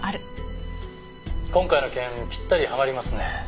今回の件ぴったりはまりますね。